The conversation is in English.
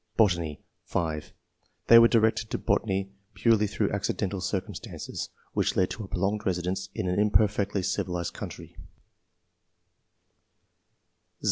Botany. — (5) They were directed to botany purely through accidental circumstances [which led to a prolonged residence in an imperfectly "^Tiliied countrvT 111.